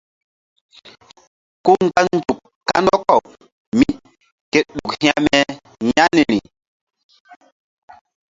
Ku mgba nzuk kandɔkaw mí ke ɗuk hekme ƴah niri.